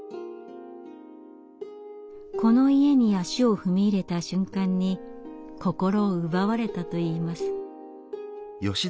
この家に足を踏み入れた瞬間に心を奪われたといいます。